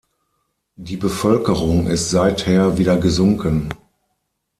Die Bevölkerung ist seither wieder gesunken.